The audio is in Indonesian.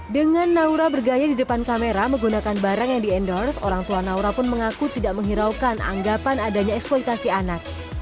dengan naura bergaya di depan kamera menggunakan barang yang di endorse orang tua naura pun mengaku tidak menghiraukan anggapan adanya eksploitasi anak